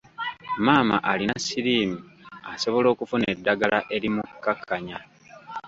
Maama alina siriimu asobola okufuna eddagala erimukkakkanya.